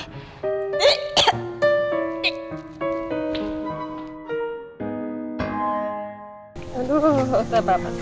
susah tidur mikirin mas randy terus nih